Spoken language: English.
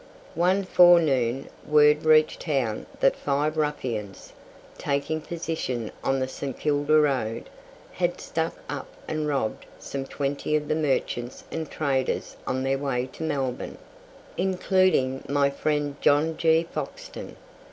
One forenoon word reached town that five ruffians, taking position on the St. Kilda road, had stuck up and robbed some twenty of the merchants and traders on their way to Melbourne, including my friend John G. Foxton.